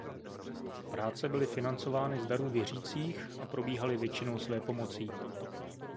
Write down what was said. Práce byly financovány z darů věřících a probíhaly většinou svépomocí.